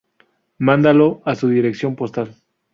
mandándolo a su dirección postal